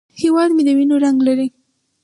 هیواد مې د وینو رنګ لري